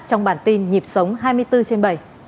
trong bản tin nhịp sống hai mươi bốn trên bảy